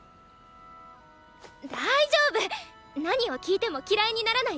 大丈夫何を聞いても嫌いにならない